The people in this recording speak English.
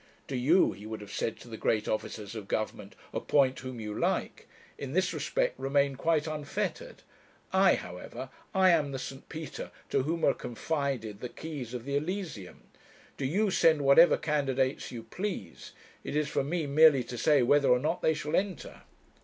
'Do you,' he would have said to the great officers of Government, 'appoint whom you like. In this respect remain quite unfettered. I, however, I am the St. Peter to whom are confided the keys of the Elysium. Do you send whatever candidates you please: it is for me merely to say whether or not they shall enter.'